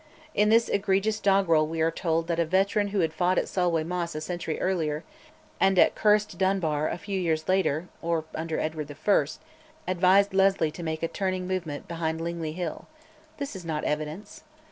In this egregious doggerel we are told that a veteran who had fought at Solway Moss a century earlier, and at "cursed Dunbar" a few years later (or under Edward I.?), advised Leslie to make a turning movement behind Linglie Hill. This is not evidence.